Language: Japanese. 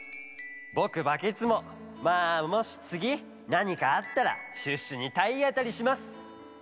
ぼくバケツもまあもしつぎなにかあったらシュッシュにたいあたりします。